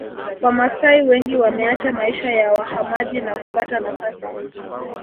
Wamasai wengi wameacha maisha ya wahamaji na kupata nafasi